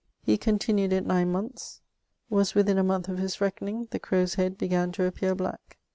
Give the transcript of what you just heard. He continued it nine monthes; was within a month of his reckoning; the crowe's head began to appear black.